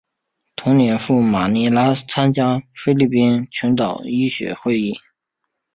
同年赴马尼拉参加菲律宾群岛医学会会议。